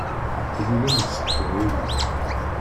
Tlulem-d s teqbaylit.